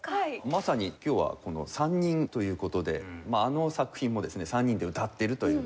まさに今日はこの３人という事であの作品もですね３人で歌っているというので。